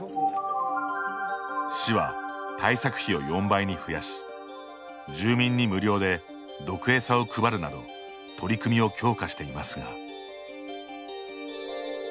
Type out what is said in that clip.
市は対策費を４倍に増やし住民に無料で毒餌を配るなど取り組みを強化していますが。